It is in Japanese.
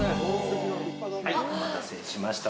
はい、お待たせしました。